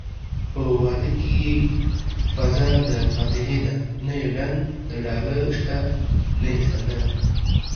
په واده کې يې فضادفاتحې ده نه يې ډنګ دډاله شته نه يې سندره